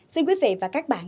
xin quý vị và các bạn